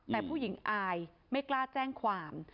แต่ผู้หญิงอายไม่กล้าแจ้งความ